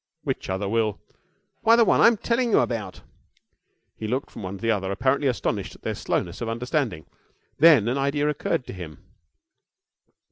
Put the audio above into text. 'Which other will?' 'Why, the one I'm telling you about.' He looked from one to the other, apparently astonished at their slowness of understanding. Then an idea occurred to him.